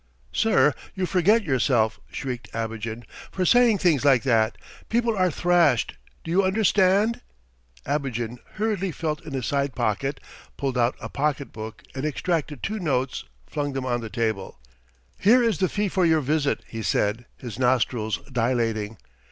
"Sir, you forget yourself," shrieked Abogin. "For saying things like that ... people are thrashed! Do you understand?" Abogin hurriedly felt in his side pocket, pulled out a pocket book, and extracting two notes flung them on the table. "Here is the fee for your visit," he said, his nostrils dilating.